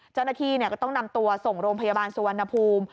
เจ้าหน้าที่ก็ต้องนำตัวส่งโรงพยาบาลสุวรรณภูมิ